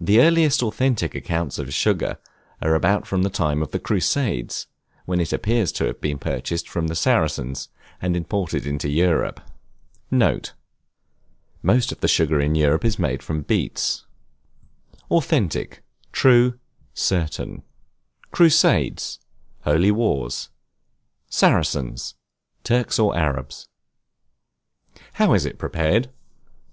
The earliest authentic accounts of sugar, are about the time of the Crusades, when it appears to have been purchased from the Saracens, and imported into Europe. [Footnote 1: Most of the sugar in Europe is made from beets.] [Footnote 2: See Chapter XVII., article Navigation.] Authentic, true, certain. Crusades, holy wars. Saracens, Turks or Arabs. How is it prepared?